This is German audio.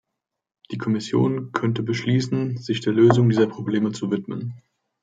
Die Kommission könnte beschließen, sich der Lösung dieser Probleme zu widmen.